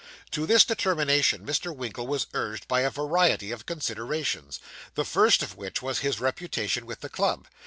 To this determination Mr. Winkle was urged by a variety of considerations, the first of which was his reputation with the club.